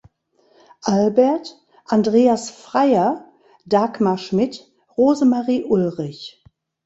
Albert, Andreas Freyer, Dagmar Schmidt, Rosemarie Ulrich.